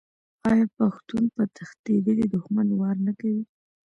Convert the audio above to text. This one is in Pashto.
آیا پښتون په تښتیدلي دښمن وار نه کوي؟